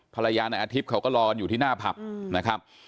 ภรรยานายอาทิปต์ก็รออยู่ในนาภัพดิ์